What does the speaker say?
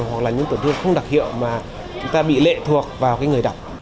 hoặc là những tổn thương không đặc hiệu mà chúng ta bị lệ thuộc vào người đọc